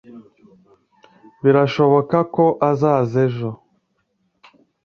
Birashoboka ko azaza ejo.